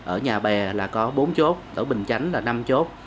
ở nhà bè là có bốn chốt ở bình chánh là năm chốt